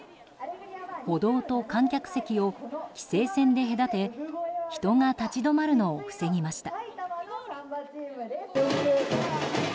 歩道と観客席を規制線で隔て人が立ち止まるのを防ぎました。